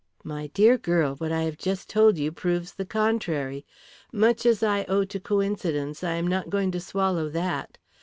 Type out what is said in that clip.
"My dear girl, what I have just told you proves the contrary. Much as I owe to coincidence, I am not going to swallow that.